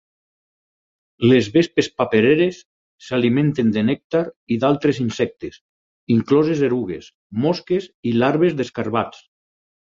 Les vespes papereres s'alimenten de nèctar i d'altres insectes, incloses erugues, mosques i larves d'escarabats.